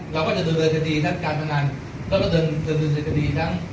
เราก็จะเติมเวลาจะดีทั้งการประนันเราก็จะเติมเวลาจะดีทั้ง